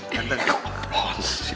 ya udah gue ngeprons